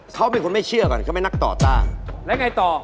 เขาชัดเจนมากเลย